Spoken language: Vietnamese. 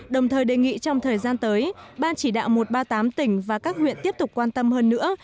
đồng thời đề nghị trong thời gian tới ban chỉ đạo một trăm ba mươi tám tỉnh và các huyện tiếp tục quan tâm hơn nữa